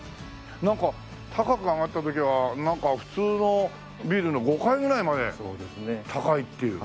なんか高く上がった時は普通のビルの５階ぐらいまで高いっていう。